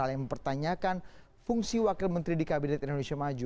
hal yang mempertanyakan fungsi wakil menteri di kabinet indonesia maju